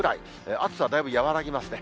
暑さはだいぶ和らぎますね。